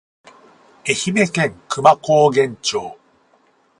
愛媛県久万高原町